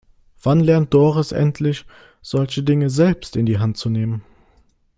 Wann lernt Doris endlich, solche Dinge selbst in die Hand zu nehmen?